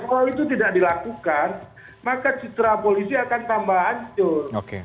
kalau itu tidak dilakukan maka citra polisi akan tambah hancur